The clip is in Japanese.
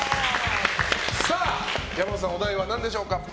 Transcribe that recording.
山本さん、お題は何でしょうか？